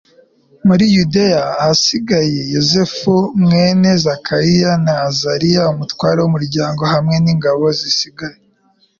muri yudeya ahasiga yozefu mwene zakariya na azariya, umutware w'umuryango hamwe n'ingabo zisigaye